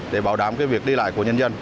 để bảo đảm việc đi lại của nhân dân